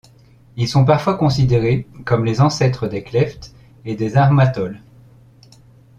Ils sont parfois considérés comme les ancêtres des klephtes et armatoles.